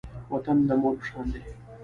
وطن د مور په شان دی